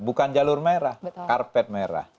bukan jalur merah karpet merah